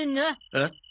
えっ？